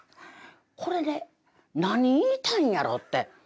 これね何言いたいんやろ？って。